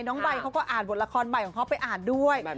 น้องใบเขาก็อ่านบทละครใหม่ของเขาไปอ่านด้วย